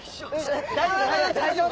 大丈夫？